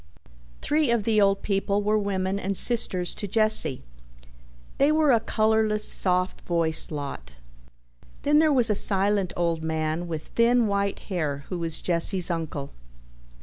Three of the old people were women and sisters to Jesse. They were a colorless, soft voiced lot. Then there was a silent old man with thin white hair who was Jesse's uncle.